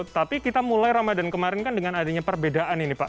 tapi kita mulai ramadan kemarin kan dengan adanya perbedaan ini pak